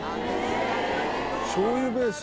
しょう油ベース？